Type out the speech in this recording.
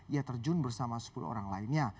ia terjun bersama sepuluh orang lainnya